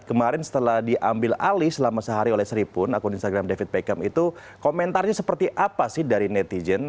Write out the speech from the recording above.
kemarin setelah diambil alih selama sehari oleh seripun akun instagram david beckham itu komentarnya seperti apa sih dari netizen